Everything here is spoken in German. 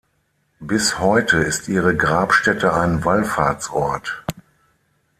Bis heute ist ihre Grabstätte ein Wallfahrtsort.